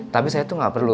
tapi saya tuh gak perlu